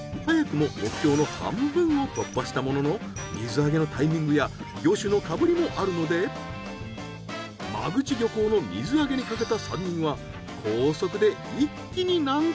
早くも目標の半分を突破したものの水揚げのタイミングや魚種のかぶりもあるので間口漁港の水揚げにかけた３人は。